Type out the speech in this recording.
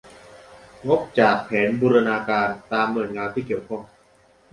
งบจากแผนบูรณาการ ตามหน่วยงานที่เกี่ยวข้อง